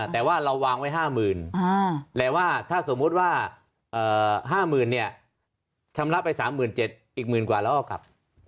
แต่ว่าเราวางไว้๕๐๐๐แต่ว่าถ้าสมมุติว่า๕๐๐๐เนี่ยชำระไป๓๗๐๐อีกหมื่นกว่าแล้วเอากลับ